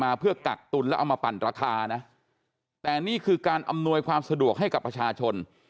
มาเพื่อกักตุลแล้วเอามาปั่นราคานะแต่นี่คือการอำนวยความสะดวกให้กับประชาชน